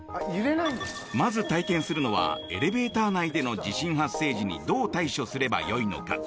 まず体験するのはエレベーター内での地震発生時にどう対処すればいいのか。